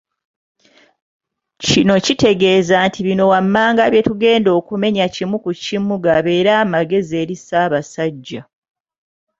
Kino Kitegeeza nti bino wammanga bye tugenda okumenya kimu ku kimu gabeere magezi eri Ssabasajja